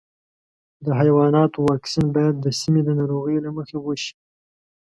د حیواناتو واکسین باید د سیمې د ناروغیو له مخې وشي.